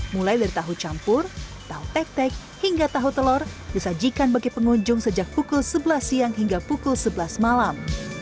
mulai dari tahu campur tahu tek tek hingga tahu telur disajikan bagi pengunjung sejak pukul sebelas siang hingga pukul sebelas malam